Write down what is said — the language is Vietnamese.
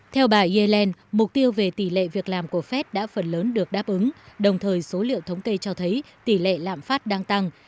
theo bà yellen mục tiêu về tỷ lệ việc làm của fed đã phần lớn được đáp ứng đồng thời số liệu thống kê cho thấy tỷ lệ lạm phát đang tăng